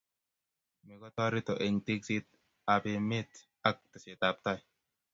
mekotoretu eng teksetab eme ak tesetab tai